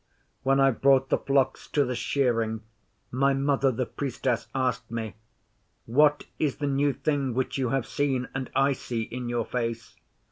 'When I brought the flocks to the shearing, my Mother the Priestess asked me, "What is the new thing which you have seen and I see in your face?"